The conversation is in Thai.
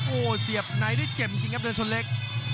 โอ้โหเสียบในได้เจ็บจริงครับเดินชนเล็ก